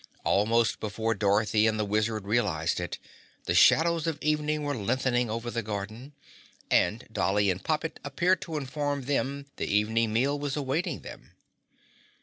Almost before Dorothy and the Wizard realized it, the shadows of evening were lengthening over the garden, and Dolly and Poppet appeared to inform them the evening meal was awaiting them.